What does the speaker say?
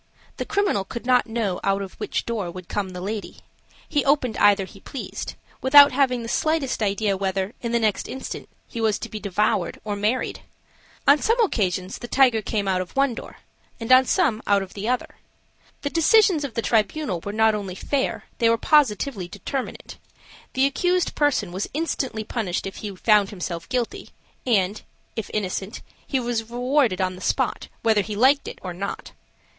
The criminal could not know out of which door would come the lady; he opened either he pleased, without having the slightest idea whether, in the next instant, he was to be devoured or married. On some occasions the tiger came out of one door, and on some out of the other. The decisions of this tribunal were not only fair, they were positively determinate: the accused person was instantly punished if he found himself guilty, and, if innocent, he was rewarded on the spot, whether he liked it or not.